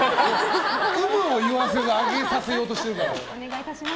有無を言わせず上げさせようとしてるから。